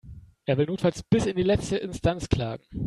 Er will notfalls bis in die letzte Instanz klagen.